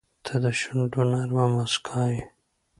• ته د شونډو نرمه موسکا یې.